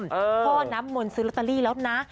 พ่อน้ำมนต์ซื้อลอตเตอรี่แล้วนะ